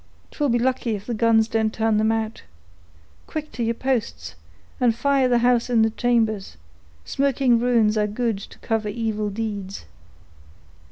'Twill be lucky if the guns don't turn them out. Quick, to your posts, and fire the house in the chambers; smoking ruins are good to cover evil deeds."